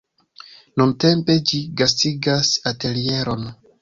Nuntempe ĝi gastigas atelieron.